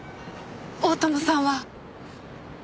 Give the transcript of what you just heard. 大友さんは？